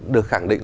được khẳng định